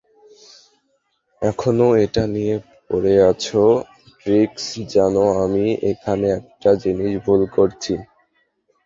এখনো এটা নিয়ে পরে আছো, ট্রিক্স জানো আমি এখানে একটা জিনিস ভুল করছি?